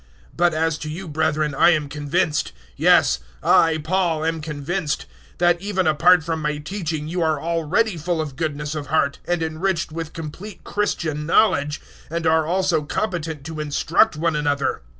015:014 But as to you, brethren, I am convinced yes, I Paul am convinced that, even apart from my teaching, you are already full of goodness of heart, and enriched with complete Christian knowledge, and are also competent to instruct one another.